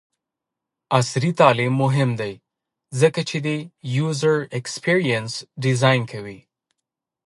عصري تعلیم مهم دی ځکه چې د یوزر ایکسپیرینس ډیزاین کوي.